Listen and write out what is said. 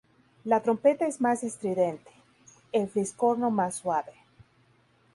La trompeta es más estridente, el fliscorno más suave.